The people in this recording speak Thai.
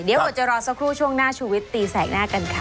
เดี๋ยวเราจะรอสักครู่ช่วงหน้าชูวิตตีแสกหน้ากันค่ะ